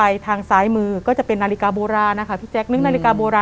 ยังไม่รู้